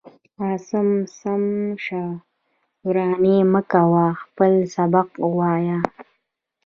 عاصم سم شه وراني من كوه خپل سبق وايا.